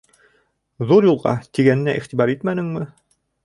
«Ҙур юлға» тигәненә иғтибар итмәнеңме?